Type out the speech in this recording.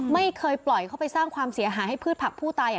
ไม่เคยปล่อยเข้าไปสร้างความเสียหายให้พืชผักผู้ตาย